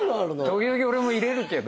時々俺も入れるけど。